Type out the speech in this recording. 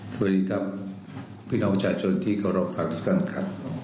สวัสดีครับพี่น้องประชาชนที่ขอรับพลักษณ์ทุกคนค่ะ